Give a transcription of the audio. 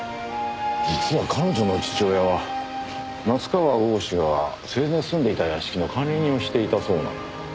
実は彼女の父親は夏河郷士が生前住んでいた屋敷の管理人をしていたそうな。